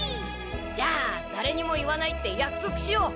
じゃあだれにも言わないってやくそくしよう！